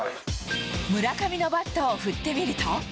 村上のバットを振ってみると。